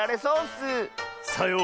さよう。